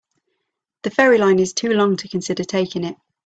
The ferry line is too long to consider taking it.